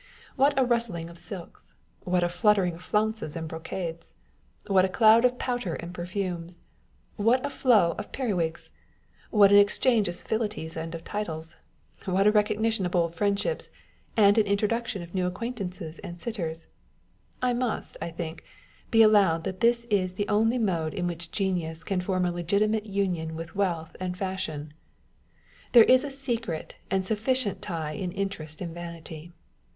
What a rustling of silks ! What a fluttering of flounces and brocades ! What a cloud of powder and perfumes ! What a flow of peri wigs ! What an exchange of civilities and of titles ! What a recognition of old friendships, and an introduction of new acquaintance and sitters ! It must, I think, be allowed that this is the only mode in which genius can form a legitimate union with wealth and fashion. There is a secret and sufficient tie in interest and vanity.